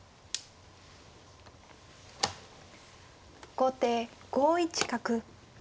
後手５一角。